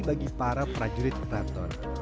bagi para prajurit peraton